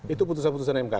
itu putusan putusan mk